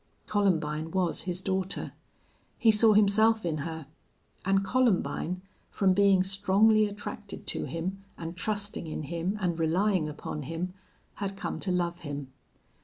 Columbine was his daughter. He saw himself in her. And Columbine, from being strongly attracted to him and trusting in him and relying upon him, had come to love him.